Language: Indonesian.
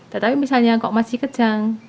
tetapi misalnya kok masih kejang